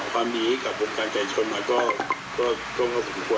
วันนี้กับวงการไก่ชนมาก็ควรแล้ว